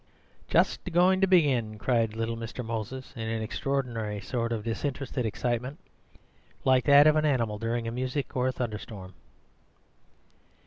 "Just a goin' to begin!" cried little Mr. Moses in an extraordinary sort of disinterested excitement, like that of an animal during music or a thunderstorm.